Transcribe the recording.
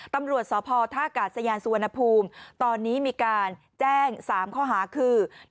ตำรวจสพท่ากาศยานสุวรรณภูมิตอนนี้มีการแจ้ง๓ข้อหาคือ